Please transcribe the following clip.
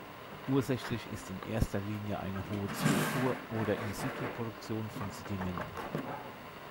Ursächlich ist in erster Linie eine hohe Zufuhr oder In-Situ-Produktion von Sedimenten.